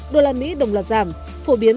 đô la mỹ đồng loạt giảm phổ biến